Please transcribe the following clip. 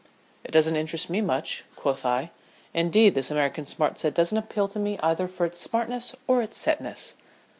"It doesn't interest me much," quoth I. "Indeed, this American smart set don't appeal to me either for its smartness or its setness."